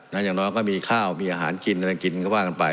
นักยังน้อยก็มีข้าวมีอาหารกินแบบนั้นกินก็ก็ว่ากันไป